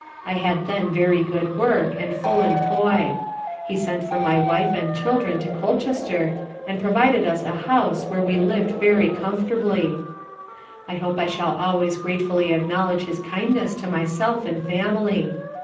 I had then very good work, and full employ: he sent for my wife, and children to Colchester, and provided us a house where we lived very comfortably. I hope I shall always gratefully acknowledge his kindness to myself and family.